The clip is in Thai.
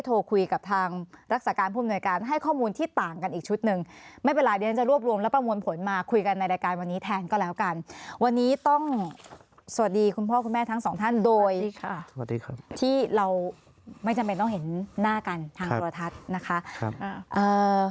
โอ้สวัสดีคุณพ่อคุณแม่ทั้งสองท่านโดยสวัสดีค่ะสวัสดีครับที่เราไม่จำไม่ต้องเห็นหน้ากันทางโรทัศน์นะคะครับครับเอ่อ